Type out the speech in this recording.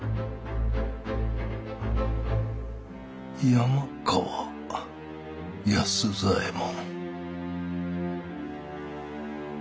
山川安左衛門。